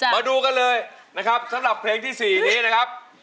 มาดูกันเลยนะครับสำหรับเพลงที่๔นี้นะครับ